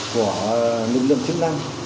của lực lượng chứng năng